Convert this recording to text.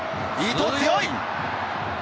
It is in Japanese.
伊東、強い。